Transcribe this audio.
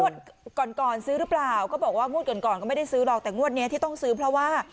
ก่อนก่อนซื้อหรือเปล่าก็บอกว่างวดก่อนก่อนก็ไม่ได้ซื้อหรอกแต่งวดนี้ที่ต้องซื้อเพราะว่า